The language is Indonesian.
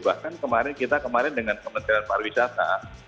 bahkan kemarin kita kemarin dengan kementerian pariwisata